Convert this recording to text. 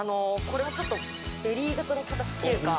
これはちょっとベリー形の形っていうか。